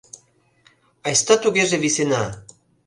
— Айста тугеже висена.